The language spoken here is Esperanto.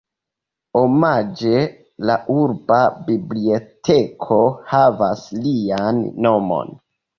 Omaĝe, la urba biblioteko havas lian nomon.